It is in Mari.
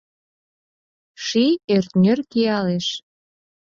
Ший ӧртньӧр киялеш.